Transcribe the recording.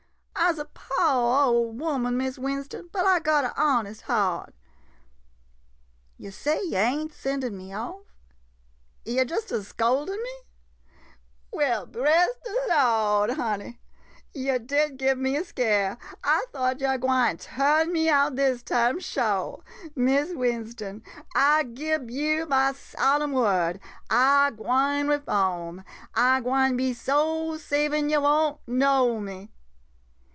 I 'se a po' ole woman, Miss Winston, but I got a honest heart. Yo' say yo' ain't sendin' me off— yo' just a scoldin' me? Well, bress de Lord — honey — yo' did gib me a scare — I thought yo' gwine turn me out dis time, sho. Miss Winston, I gib yo' ma solemn word — I gwine reform. I gwine be so savin', yo' won't know me.